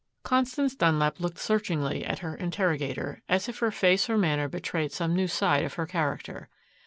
Constance Dunlap looked searchingly at her interrogator, as if her face or manner betrayed some new side of her character.